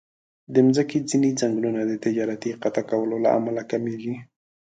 د مځکې ځینې ځنګلونه د تجارتي قطع کولو له امله کمېږي.